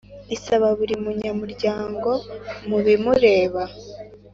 Isaba buri munyamuryango mu bimureba